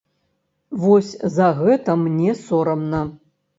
Вось за гэта мне сорамна.